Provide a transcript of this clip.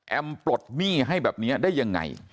ปลดหนี้ให้แบบนี้ได้ยังไง